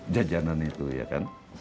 jajanan itu ya kan